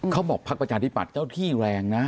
เขาบอกพักประชาธิบัติเจ้าที่แรงนะ